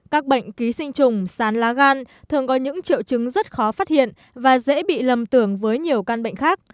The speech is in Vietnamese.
các bệnh ký sinh trùng sán lá gan thường có những triệu chứng rất khó phát hiện và dễ bị lầm tưởng với nhiều căn bệnh khác